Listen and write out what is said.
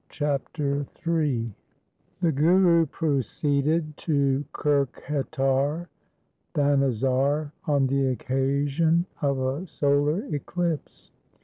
Chapter III The Guru proceeded to Kurkhetar (Thanesar) on the occasion of a solar eclipse.